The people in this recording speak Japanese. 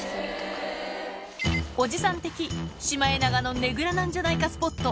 おじさん的シマエナガのねぐらなんじゃないかスポット。